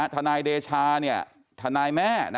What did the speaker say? ทนายเดชาทนายแม่